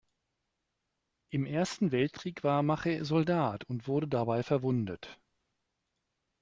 Im Ersten Weltkrieg war Mache Soldat und wurde dabei verwundet.